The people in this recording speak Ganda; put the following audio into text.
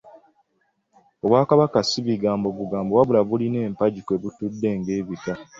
Obwakabaka ssi bigambo bugambo wabula bulina empagi kwebutudde ng'ebika.